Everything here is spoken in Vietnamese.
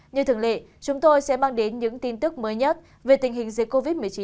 như thường lệ chúng tôi sẽ mang đến những tin tức mới nhất về tình hình dịch covid một mươi chín